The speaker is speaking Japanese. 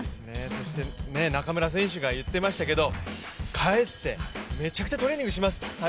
そして、中村選手が言っていましたけど帰って、めちゃくちゃトレーニングしますって。